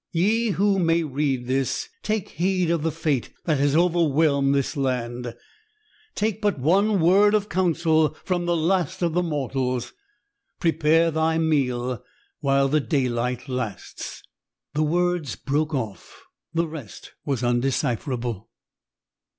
Ye who may read this, take heed of the fate that has overwhelmed this land. Take but one word of counsel from the last of the mortals; prepare thy meal while the daylight lasts " The words broke off: the rest was undecipherable.